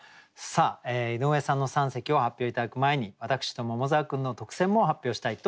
さあ井上さんの三席を発表頂く前に私と桃沢君の特選も発表したいと思います。